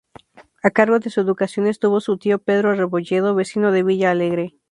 A cargo de su educación estuvo su tío Pedro Rebolledo, vecino de Villa Alegre.